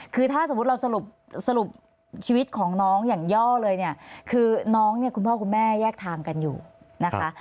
คือถ้าสมมุติเราสรุปชีวิตของน้องอย่างย่อเลยเนี่ยคือน้องเนี่ยคุณพ่อคุณแม่แยกทางกันอยู่นะคะ